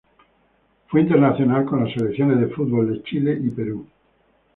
Fue internacional con las selecciones de fútbol de Chile y Perú.